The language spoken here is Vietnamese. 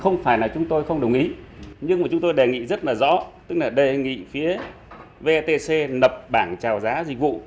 không phải là chúng tôi không đồng ý nhưng mà chúng tôi đề nghị rất là rõ tức là đề nghị phía vetc lập bảng trào giá dịch vụ